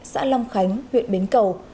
xã long khánh huyện bến cầu